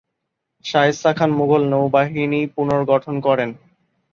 শায়েস্তা খান মুগল নৌবাহিনী পুনর্গঠন করেন।